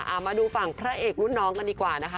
เอามาดูฝั่งพระเอกรุ่นน้องกันดีกว่านะคะ